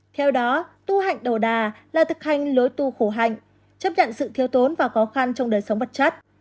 theo đó tu hạnh đồ đà là thực hành lối tu khổ hạnh chấp nhận sự thiếu thốn và khó khăn trong đời sống vật chất